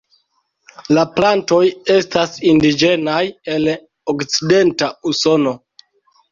La plantoj estas indiĝenaj el Okcidenta Usono.